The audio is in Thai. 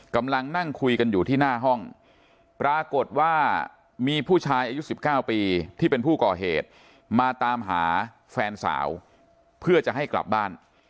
กำลังนั่งคุยกันอยู่ที่หน้าห้องปรากฏว่ามีผู้ชายอายุ๑๙ปีที่เป็นผู้ก่อเหตุมาตามหาแฟนสาวเพื่อจะให้กลับบ้าน